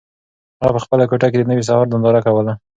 هغه په خپله کوټه کې د نوي سهار ننداره کوله.